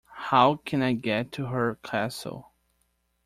How can I get to her castle?